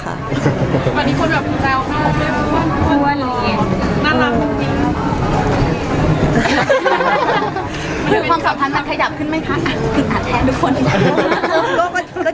ความสัมพันธ์แข่งขึ้นไหมคะ